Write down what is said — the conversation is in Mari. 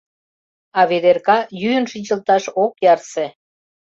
А Ведерка йӱын шинчылташ ок ярсе.